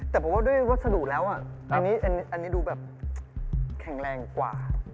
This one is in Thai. แต่ผมว่าด้วยวัสดุแล้วอันนี้ดูแบบแข็งแรงกว่า